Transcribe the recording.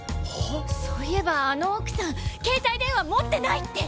そういえばあの奥さん携帯電話持ってないって！